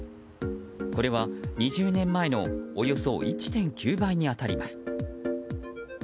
これは２０年前のおよそ１．９倍に当たります。